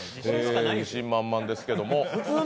自信満々ですけども。